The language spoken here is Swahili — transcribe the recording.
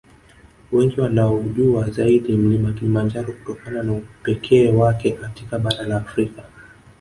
Wengi wanaUjua zaidi Mlima Kilimanjaro kutokana na upekee wake katika bara la Afrika